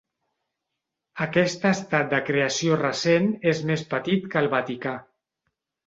Aquest estat de creació recent és més petit que el Vaticà.